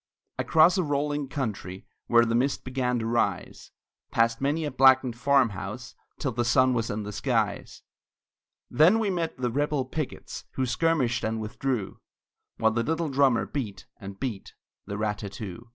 Across a rolling country, Where the mist began to rise; Past many a blackened farmhouse, Till the sun was in the skies; Then we met the rebel pickets, Who skirmished and withdrew, While the little drummer beat, and beat The rat tat too.